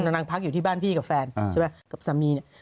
นางพักอยู่ที่บ้านพี่บ้านพี่กับแฟน